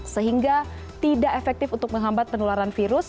sehingga tidak efektif untuk menghambat penularan virus